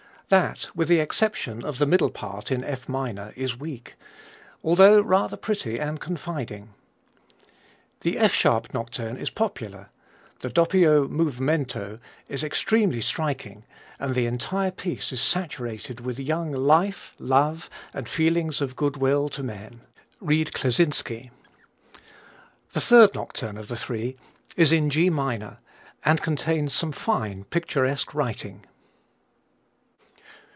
That, with the exception of the middle part in F minor, is weak, although rather pretty and confiding. The F sharp Nocturne is popular. The "doppio movemento" is extremely striking and the entire piece is saturated with young life, love and feelings of good will to men. Read Kleczynski. The third nocturne of the three is in G minor, and contains some fine, picturesque writing.